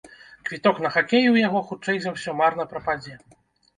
Квіток на хакей у яго, хутчэй за ўсё, марна прападзе.